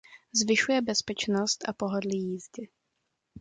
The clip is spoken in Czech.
Zvyšuje bezpečnost a pohodlí jízdy.